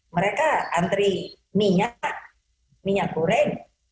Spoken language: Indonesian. mereka antri minyak minyak goreng